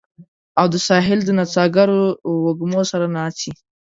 او د ساحل د نڅاګرو وږمو سره ناڅي